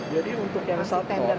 jadi untuk yang satu